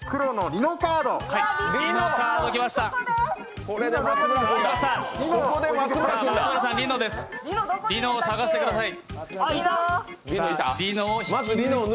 リノを探してください。